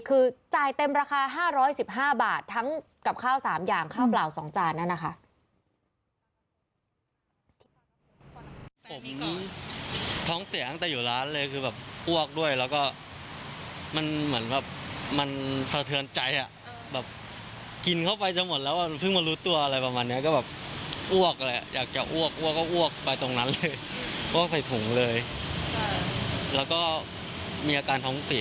คือจ่ายเต็มราคา๕๑๕บาททั้งกับข้าว๓อย่างข้าวเปล่า๒จานนั่นนะคะ